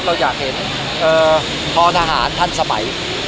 เราอยากเห็นพรทหารทันสมัย